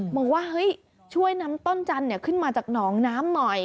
บอกว่าเฮ้ยช่วยนำต้นจันทร์ขึ้นมาจากหนองน้ำหน่อย